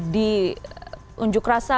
di unjuk rasa